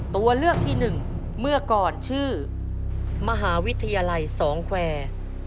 ตัวเลือกที่หนึ่งเมื่อก่อนชื่อมหาวิทยาลัยสองแควร์